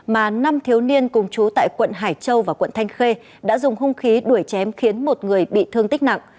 mà năm thiếu niên cùng chú tại quận hải châu và quận thanh khê đã dùng hung khí đuổi chém khiến một người bị thương tích nặng